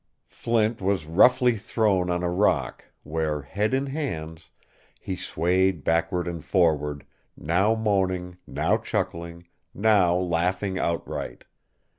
Flint was roughly thrown on a rock, where, head in hands, he swayed backward and forward, now moaning, now chuckling, now laughing outright.